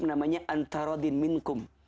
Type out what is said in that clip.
namanya antara dinh minkum